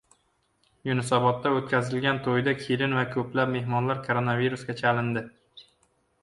Yunusobodda o‘tkazilgan to‘yda kelin va ko‘plab mehmonlar koronavirusga chalindi